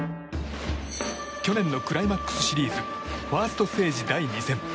去年のクライマックスシリーズファーストステージ第２戦。